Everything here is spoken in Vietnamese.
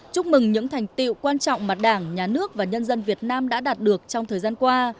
chúc mừng những thành tiệu quan trọng mà đảng nhà nước và nhân dân việt nam đã đạt được trong thời gian qua